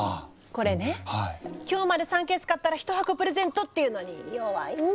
これね今日まで３ケース買ったら１箱プレゼントっていうのに弱いんだわ私。